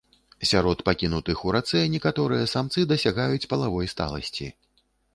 Сярод пакінутых у рацэ некаторыя самцы дасягаюць палавой сталасці.